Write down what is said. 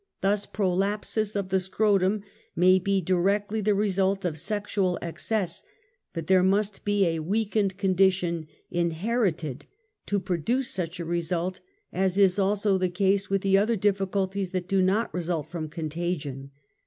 Thu& prolapsus of the scrotum may be directly the result of sexual excess, but there must be a weakened con dition inherited to produce such a result, as is also the case with other difficulties that do not result from contagion.